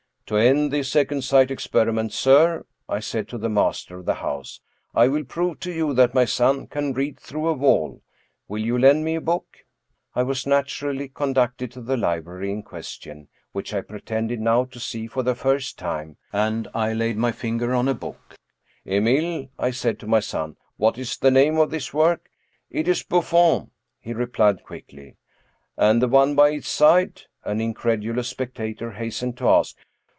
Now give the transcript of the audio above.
"To end the second sight experiment, sir," I said to the master of the house, " I will prove to you that my son can read through a wall. Will you lend me a book? " I was naturally conducted to the library in question, which I pretended now to see for the first time, and I laid my finger on a book. 221 True Stories of Modern Magic *' Emile/' I said to my son, " what is the name of this work?" " It is Buflfon," he replied quickly. "And the one by its side?" an incredulous spectator hastened to ask.